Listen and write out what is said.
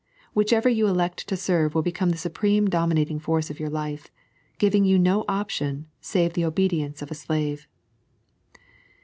Whichever you elect to serve will become the supreme dominating force in your life, giving you no option, save the obedience of a slave.